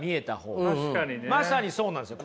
まさにそうなんですよ。